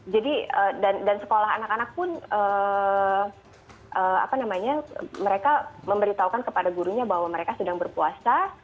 jadi dan sekolah anak anak pun apa namanya mereka memberitahukan kepada gurunya bahwa mereka sedang berpuasa